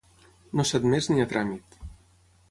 No s’ha admès ni a tràmit.